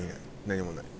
何もない。